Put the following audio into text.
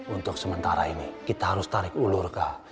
untuk sementara ini kita harus tarik ulur kah